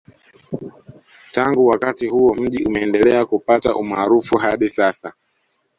Tangu wakati huo mji umendelea kupata umaarufu hadi sasa